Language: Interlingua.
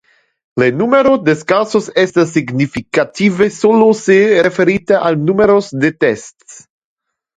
Le numero de casos es significative solo si referite al numero de tests.